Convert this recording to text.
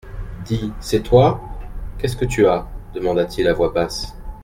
Dis, c'est toi ? qu'est-ce que tu as ? demanda-t-il à voix basse.